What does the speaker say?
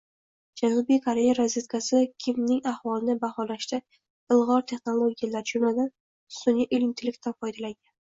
Janubiy Koreya razvedkasi Kimning ahvolini baholashda ilg‘or texnologiyalar, jumladan, sun’iy intellektdan foydalangan